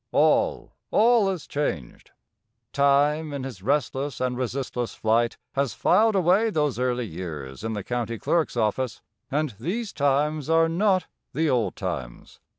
All, all is changed. Time in his restless and resistless flight has filed away those early years in the county clerk's office, and these times are not the old times.